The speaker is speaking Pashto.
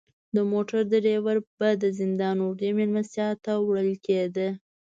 د موټر دریور به د زندان اوږدې میلمستیا ته وړل کیده.